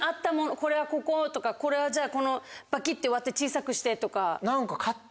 これはこことかこれはじゃバキって割って小さくしてとか。